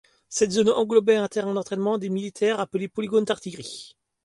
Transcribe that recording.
Cette zone englobait un terrain d'entraînement des militaires appelé polygone d'artillerie.